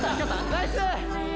ナイス！